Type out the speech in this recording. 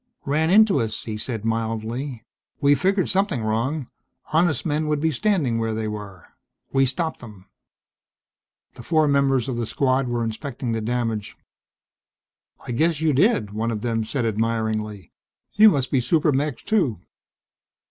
"Ran into us," he said mildly. "We figured something wrong honest men would be standing where they were. We stopped them." The four members of the Squad were inspecting the damage. "I guess you did," one of them said, admiringly. "You must be super mechs too?"